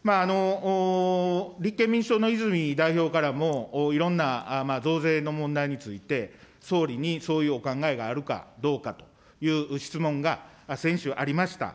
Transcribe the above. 立憲民主党の泉代表からもいろんな増税の問題について、総理にそういうお考えがあるかどうかという質問が先週ありました。